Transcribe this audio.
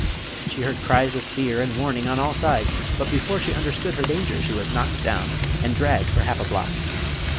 She heard cries of fear and of warning on all sides, but before she understood her danger she was knocked down and dragged for half a block.